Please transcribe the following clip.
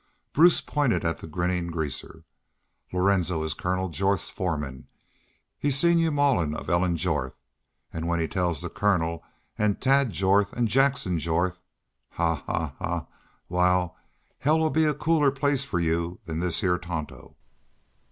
Bruce pointed at the grinnin' greaser. 'Lorenzo is Kurnel Jorth's foreman. He seen y'u maulin' of Ellen Jorth. An' when he tells the Kurnel an' Tad Jorth an' Jackson Jorth! ... Haw! Haw! Haw! Why, hell 'd be a cooler place fer yu then this heah Tonto.'